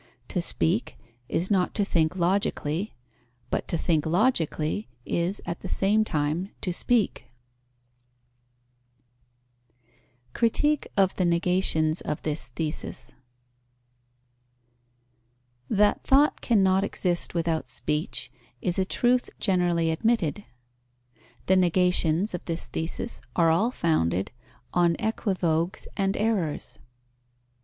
To speak, is not to think logically; but to think logically is, at the same time, to speak. Critique of the negations of this thesis. That thought cannot exist without speech, is a truth generally admitted. The negations of this thesis are all founded on equivoques and errors.